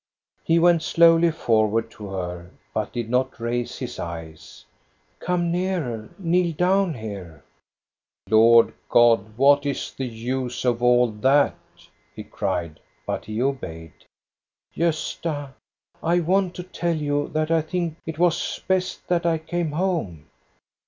He went slowly forward to her, but did not raise his eyes. Come nearer ! Kneel down here !"" Lord God, what is the use of all that?" he cried; but he obeyed. " Gosta, I want to tell you that I think it was best that I came home."